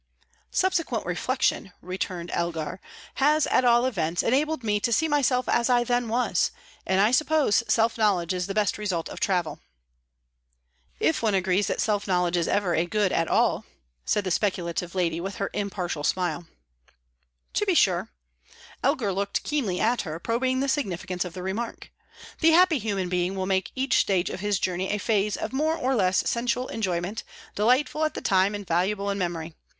"Subsequent reflection," returned Elgar, "has, at all events, enabled me to see myself as I then was; and I suppose self knowledge is the best result of travel." "If one agrees that self knowledge is ever a good at all," said the speculative lady, with her impartial smile. "To be sure." Elgar looked keenly at her, probing the significance of the remark. "The happy human being will make each stage of his journey a phase of more or less sensual enjoyment, delightful at the time and valuable in memory.